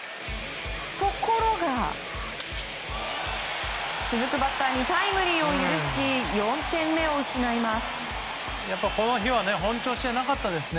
ところが、続くバッターにタイムリーを許し４点目を失います。